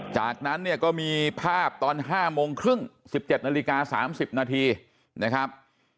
จากนั้นเนี่ยก็มีภาพตอน๕โมงครึ่ง๑๗นาฬิกา๓๐นาทีนะครับ